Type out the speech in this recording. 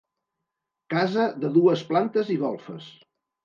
Casa de dues plantes i golfes.